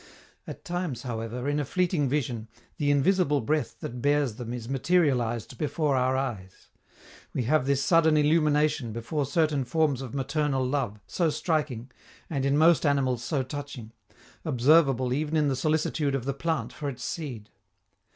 At times, however, in a fleeting vision, the invisible breath that bears them is materialized before our eyes. We have this sudden illumination before certain forms of maternal love, so striking, and in most animals so touching, observable even in the solicitude of the plant for its seed.